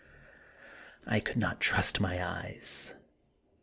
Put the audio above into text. I could not trust my eyes.